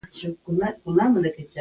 د ټوپ دښته په میدا وردګ ولایت کې ده.